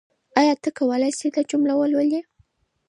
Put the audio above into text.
آیا ته کولای شې دا جمله ولولې؟